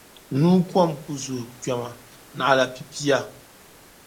Nuu kom ku zuhi kpɛma; naɣila pipia ni.